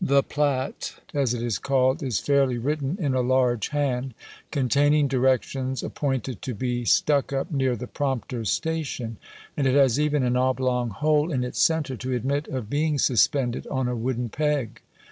The "Platt," as it is called, is fairly written in a large hand, containing directions appointed to be stuck up near the prompter's station; and it has even an oblong hole in its centre to admit of being suspended on a wooden peg.